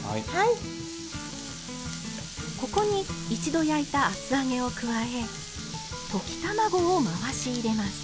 ここに一度焼いた厚揚げを加え溶き卵を回し入れます。